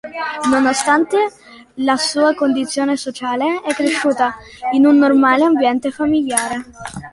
Nonostante la sua condizione sociale, è cresciuta in un normale ambiente famigliare.